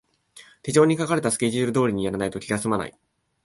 手帳に書かれたスケジュール通りにやらないと気がすまない